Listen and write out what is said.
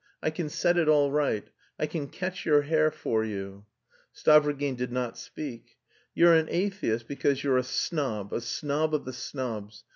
I can set it all right. I can 'catch your hare' for you." Stavrogin did not speak. "You're an atheist because you're a snob, a snob of the snobs.